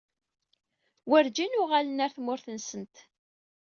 Werǧin uɣalen ɣer tmurt-nsent.